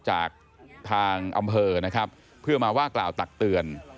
จากทางอำเภอนะครับเพื่อมาว่ากล่าวตักเตือน